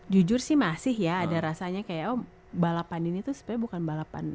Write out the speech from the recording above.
jujur sih masih ya ada rasanya kayak oh balapan ini tuh sebenernya bukan balapan